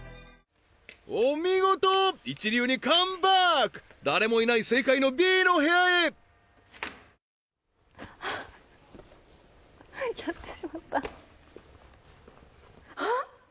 お見事一流にカムバック誰もいない正解のＢの部屋へあっあっ！